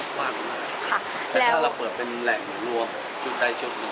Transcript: แต่ถ้าเราเปิดเป็นแหล่งรวมจุดใดจุดหนึ่ง